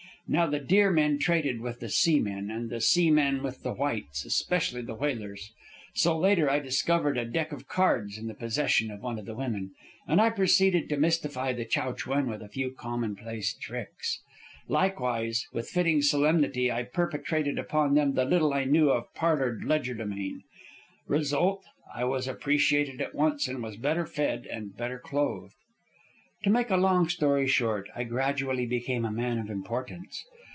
Now the Deer Men traded with the Sea Men, and the Sea Men with the whites, especially the whalers. So later I discovered a deck of cards in the possession of one of the women, and I proceeded to mystify the Chow Chuen with a few commonplace tricks. Likewise, with fitting solemnity, I perpetrated upon them the little I knew of parlor legerdemain. Result: I was appreciated at once, and was better fed and better clothed. "To make a long story short, I gradually became a man of importance.